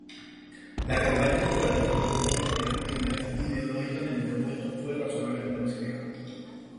La campaña electoral entre los dos partidos ideológicamente opuestos fue razonablemente pacífica.